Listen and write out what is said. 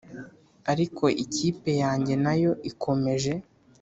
Ariko ikipe yanjye nayo ikomeje